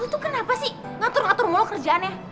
lo tuh kenapa sih ngatur ngatur mulu kerjaannya